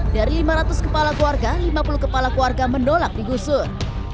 dari lima ratus kepala keluarga lima puluh kepala keluarga menolak digusur